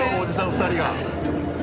２人が。